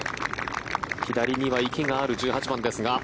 左には池がある１８番ですが。